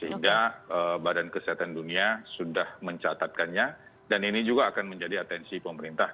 sehingga badan kesehatan dunia sudah mencatatkannya dan ini juga akan menjadi atensi pemerintah